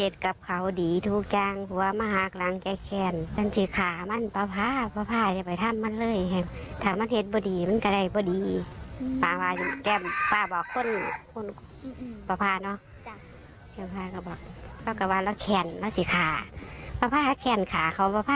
ถามวันเทศไม่ดีมันอะไรไม่ดีบาปบอกสิบา